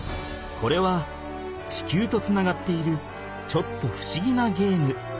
これは地球とつながっているちょっとふしぎなゲーム。